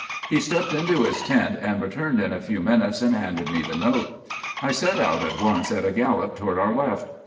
He stepped into his tent, and returned in a few minutes and handed me the note. I set out at once at a gallop toward our left.